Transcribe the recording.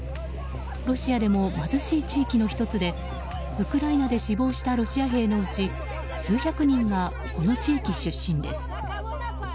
ロシアでも貧しい地域の１つでウクライナで死亡したロシア兵のうち数百人がこの地域出身です。